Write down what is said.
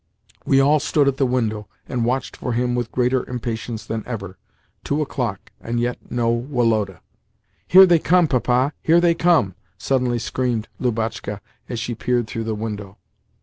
We all stood at the window, and watched for him with greater impatience than ever. Two o'clock, and yet no Woloda. "Here they come, Papa! Here they come!" suddenly screamed Lubotshka as she peered through the window.